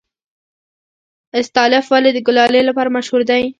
استالف ولې د کلالۍ لپاره مشهور دی؟